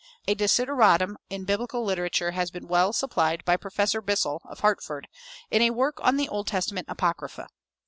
A desideratum in biblical literature has been well supplied by Professor Bissell, of Hartford, in a work on the Old Testament Apocrypha.